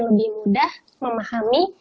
lebih mudah memahami